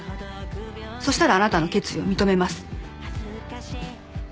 そしたらあなたの決意を認めます。